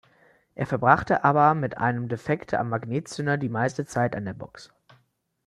Er verbrachte aber mit einem Defekt am Magnetzünder die meiste Zeit an der Box.